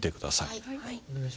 はい。